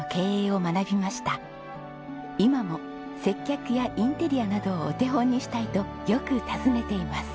今も接客やインテリアなどをお手本にしたいとよく訪ねています。